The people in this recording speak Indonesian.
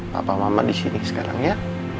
papa mama disini sekarang ya